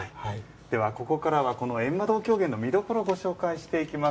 ではここからはこのゑんま堂狂言の見どころを紹介していきます。